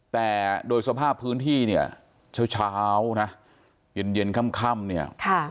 แต่โดยสภาพพื้นที่เนี่ยเช้านะเย็นค่ำเนี่ย